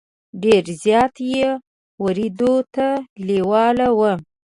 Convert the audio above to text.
ډېر زیات یې ورېدو ته لېواله وو.